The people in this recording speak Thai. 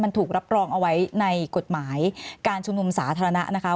มันถูกรับรองเอาไว้ในกฎหมายการชุมนุมสาธารณะนะคะ